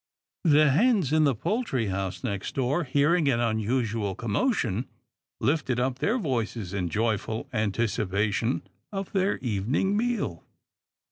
The hens in the poultry house next door, hearing an unusual commotion, lifted up their voices in joyful anticipation of their evening meal.